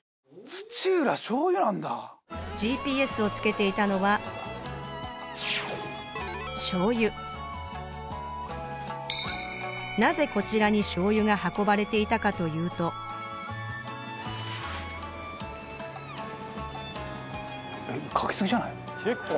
ＧＰＳをつけていたのは醤油なぜこちらに醤油が運ばれていたかというと・かけすぎじゃない？